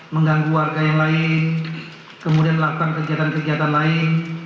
mengganggu warga yang lain kemudian melakukan kegiatan kegiatan lain